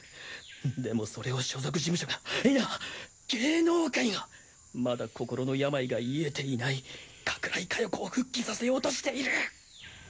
でもそれを所属事務所が否芸能界がまだ心の病が癒えていない加倉井加代子を復帰させようとしている！